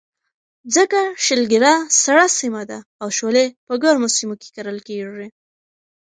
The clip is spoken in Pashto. ځکه شلګر سړه سیمه ده او شولې په ګرمو سیمو کې کرلې کېږي.